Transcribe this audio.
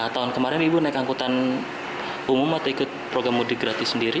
tahun kemarin ibu naik angkutan umum atau ikut program mudik gratis sendiri